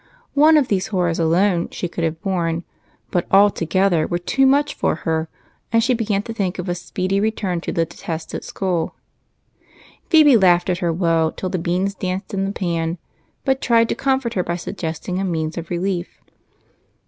One of these liorrors alone she could have borne, but all together were too much for her, and she began to think of a speedy return to the detested school. Phebe laughed at her woe till the beans danced in the pan, but tried to comfort her by suggesting a means of relief.